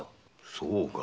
そうか。